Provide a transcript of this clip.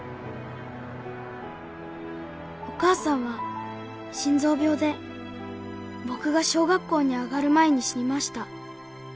「お母さんは心臓病で僕が小学校に上がる前に死にました。